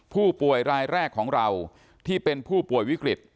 ผู้ป่วยรายแรกของเราที่เป็นผู้ป่วยวิกฤต